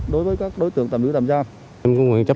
đối với các đối tượng tạm giữ tạm giam